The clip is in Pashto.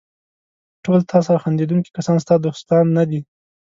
ټول تاسره خندېدونکي کسان ستا دوستان نه دي.